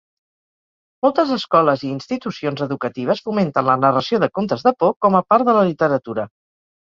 Moltes escoles i institucions educatives fomenten la narració de contes de por com a part de la literatura.